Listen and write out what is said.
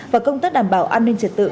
và công tác đảm bảo an ninh trật tự